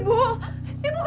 ibu masa ini berdarah bu